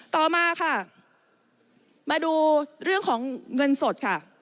ต่อมาค่ะมาดูเรื่องของเงินสดค่ะ